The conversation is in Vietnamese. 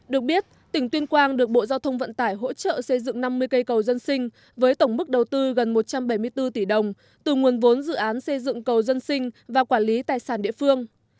được biết tỉnh tuyên quang được bộ giao thông vận tải hỗ trợ xây dựng năm mươi cây cầu dân sinh với tổng mức đầu tư gần một trăm bảy mươi bốn tỷ đồng từ nguồn vốn dự án xây dựng cầu dân sinh và quản lý tài sản địa phương